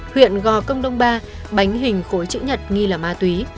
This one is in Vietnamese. huyện gò công đông ba bánh hình khối chữ nhật nghi là ma túy